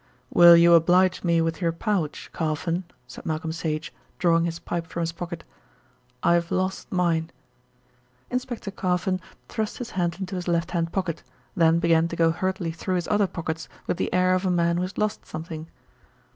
"Will you oblige me with your pouch, Carfon," said Malcolm Sage, drawing his pipe from his pocket. "I've lost mine." Inspector Carfon thrust his hand into his left hand pocket, then began to go hurriedly through his other pockets with the air of a man who has lost something.